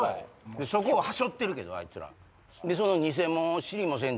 そこははしょってるけどあいつら。